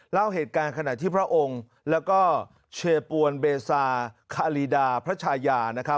เล่าเหตุการณ์ขณะที่พระองค์แล้วก็เชปวนเบซาคารีดาพระชายานะครับ